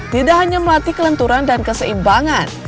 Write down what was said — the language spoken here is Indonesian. tidak hanya melatih kelenturan dan keseimbangan